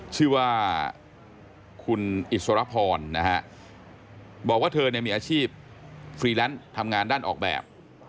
ชื่อว่าคุณอิสรพรนะฮะบอกว่าเธอมีอาชีพฟรีแลนซ์ทำงานด้านออกแบบ